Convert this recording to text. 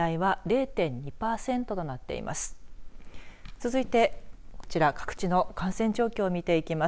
続いて、こちら各地の感染状況を見ていきます。